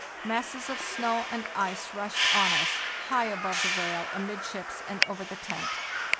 Masses of snow and ice rushed on us, high above the rail amid ships and over the tent.